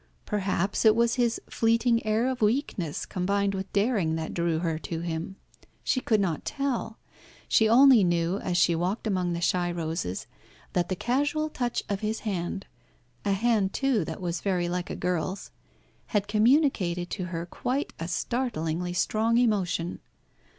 Perhaps it was his fleeting air of weakness combined with daring that drew her to him. She could not tell. She only knew, as she walked among the shy roses, that the casual touch of his hand a hand, too, that was very like a girl's had communicated to her quite a startlingly strong emotion.